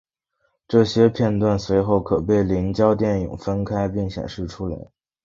这些片断随后可被凝胶电泳分开并显示出来。